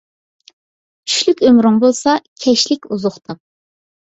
چۈشلۈك ئۆمرۈڭ بولسا، كەچلىك ئوزۇق تاپ